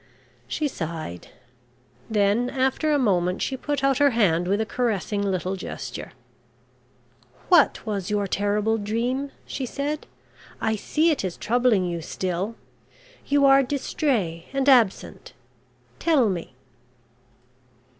She sighed. Then after a moment she put out her hand with a caressing little gesture. "What was your terrible dream?" she said. "I see it is troubling you still. You are distrait and absent. Tell me."